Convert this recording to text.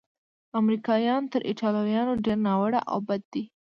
امریکایان تر ایټالویانو ډېر ناوړه او بد دي.